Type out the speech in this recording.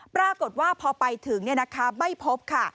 ปรากฏว่าพอไปถึงไม่พบค่ะ